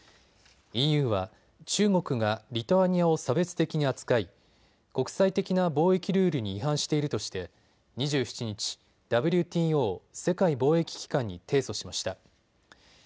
ＥＵは中国がリトアニアを差別的に扱い国際的な貿易ルールに違反しているとして２７日ＷＴＯ・世界貿易機関に提訴しました。